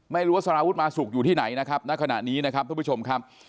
ไม่รู้ว่าสารวุฒิมาสุกอยู่ที่ไหนนะครับณขณะนี้นะครับทุกผู้ชมครับ